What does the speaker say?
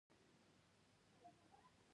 پنځونه، شلګون ، لسګون.